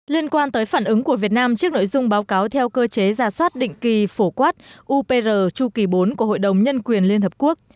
liên quan tới phản ứng của việt nam trước nội dung báo cáo theo cơ chế giả soát định kỳ phổ quát upr chu kỳ bốn của hội đồng nhân quyền liên hợp quốc